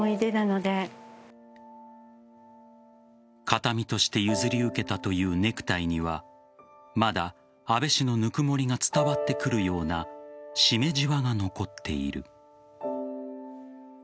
形見として譲り受けたというネクタイにはまだ安倍氏のぬくもりが伝わってくるような絞めじわが残っている。